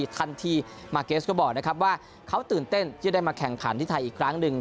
ทันทีมาร์เกสก็บอกนะครับว่าเขาตื่นเต้นที่ได้มาแข่งขันที่ไทยอีกครั้งหนึ่ง